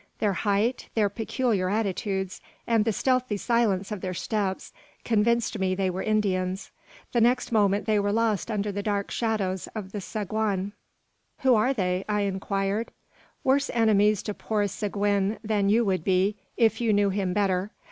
Their height, their peculiar attitudes, and the stealthy silence of their steps, convinced me they were Indians. The next moment they were lost under the dark shadows of the saguan. "Who are they?" I inquired. "Worse enemies to poor Seguin than you would be, if you knew him better.